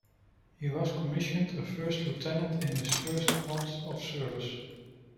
He was commissioned a first lieutenant in his first month of service.